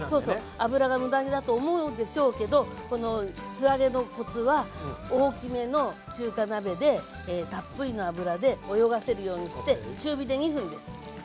油が無駄だと思うでしょうけどこの素揚げのコツは大きめの中華鍋でたっぷりの油で泳がせるようにして中火で２分です。